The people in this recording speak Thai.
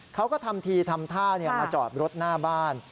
เขาก็ทำทีทำท่ามาจอดรถหน้าบ้าน